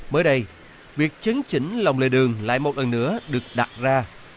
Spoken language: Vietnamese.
mới đây việc chấn chỉnh lòng lề đường lại một lần nữa được đặt ra